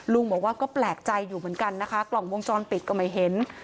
ลุงบอกว่าก็แปลกใจอยู่เหมือนกันนะคะกล่องวงจรปิดก็ไม่เห็น